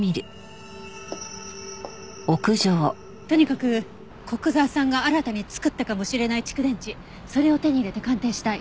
とにかく古久沢さんが新たに作ったかもしれない蓄電池それを手に入れて鑑定したい。